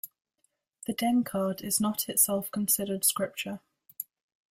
The "Denkard" is not itself considered scripture.